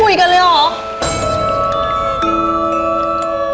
เขาคุยกันเลยหรอ